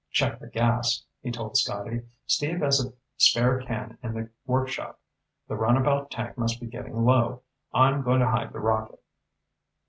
"Check the gas," he told Scotty. "Steve has a spare can in the workshop. The runabout tank must be getting low. I'm going to hide the rocket."